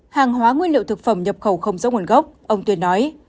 hàng hóa nguyên liệu thực phẩm nhập khẩu không rõ nguồn gốc ông tuyên nói